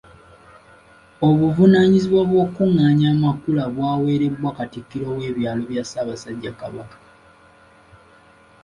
Obuvunaanyizibwa obwokukungaanya amakula bwaweebwa Katikkiro w'ebyalo bya Ssaabasajja Kabaka.